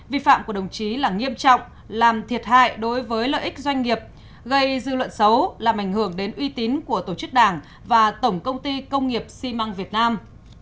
vi phạm của đồng chí là nghiêm trọng làm thiệt hại đối với lợi ích doanh nghiệp gây dư luận xấu làm ảnh hưởng đến uy tín của tổ chức đảng và tổng công ty công nghiệp xi măng việt nam